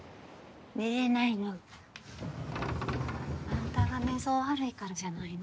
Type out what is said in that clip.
寝れないの？あんたが寝相悪いからじゃないの？